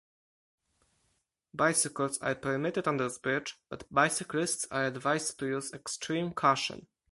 Bicycles are permitted on this bridge, but bicyclists are advised to use extreme caution.